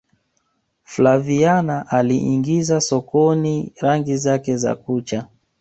flaviana aliingiza sokoni rangi zake za kucha